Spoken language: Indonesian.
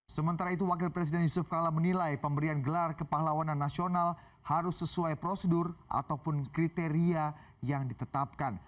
sementara itu wakil presiden yusuf kala menilai pemberian gelar kepahlawanan nasional harus sesuai prosedur ataupun kriteria yang ditetapkan